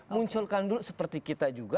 munculkan dulu seperti kita juga